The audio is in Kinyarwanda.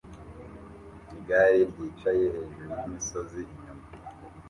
Igare ryicaye hejuru yimisozi inyuma